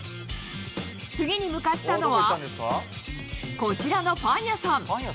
次に向かったのは、こちらのパン屋さん。